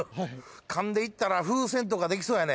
噛んでいったら風船とかできそうやね